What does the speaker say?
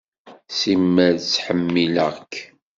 Simmal ttḥemmileɣ-k.